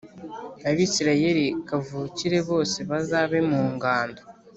Abisirayeli kavukire bose bazabe mu ngando